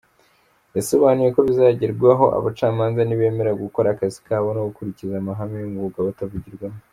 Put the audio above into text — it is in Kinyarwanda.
Yasobanuye ko bizagerwaho abacamanza nibemera gukora akazi kabo no gukurikiza amahame y’umwuga batavugirwamo.